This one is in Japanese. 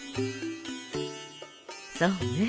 そうねえ。